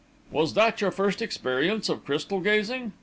"Was that your first experience of crystal gazing?"